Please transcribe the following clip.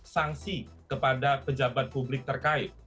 sanksi kepada pejabat publik terkait